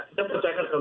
kita percayakan pada bk